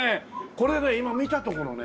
これね今見たところね